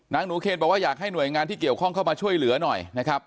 หนูเคนบอกว่าอยากให้หน่วยงานที่เกี่ยวข้องเข้ามาช่วยเหลือหน่อยนะครับ